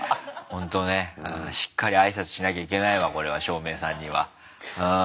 ほんとねしっかり挨拶しなきゃいけないわこれは照明さんにはうん。